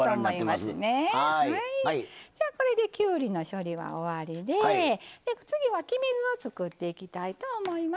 これできゅうりの処理は終わりで次は黄身酢を作っていきたいと思います。